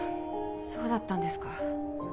そうだったんですか。